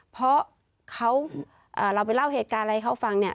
เพราะเราไปเล่าเหตุการณ์อะไรเขาฟัง